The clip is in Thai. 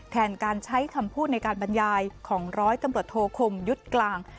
แทนการใช้คำพูดในการบรรยายของร้อยตำรวจโทคมยุทธ์กลาง